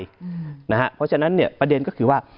เพราะฉะนั้นเนี่ยประเด็นก็คือว่า